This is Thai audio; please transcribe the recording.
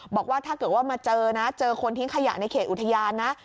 บอกว่าถ้าเกิดว่ามาเจอนะเจอคนทิ้งขยะในเขตอุทยานนะ